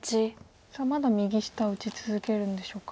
さあまだ右下打ち続けるんでしょうか。